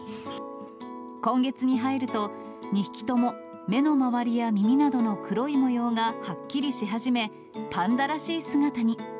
今月に入ると、２匹とも目の周りや耳などの黒い模様がはっきりし始め、パンダらしい姿に。